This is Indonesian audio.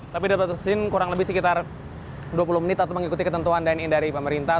tapi diberi batasan kurang lebih sekitar dua puluh menit atau mengikuti ketentuan dni dari pemerintah